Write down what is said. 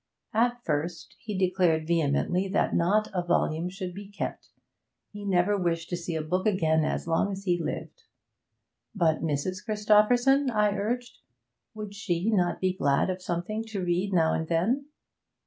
At first he declared vehemently that not a volume should be kept he never wished to see a book again as long as he lived. But Mrs. Christopherson? I urged. Would she not be glad of something to read now and then?